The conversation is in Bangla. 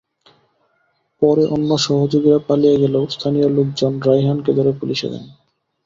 পরে অন্য সহযোগীরা পালিয়ে গেলেও স্থানীয় লোকজন রায়হানকে ধরে পুলিশে দেন।